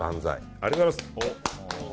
ありがとうございます。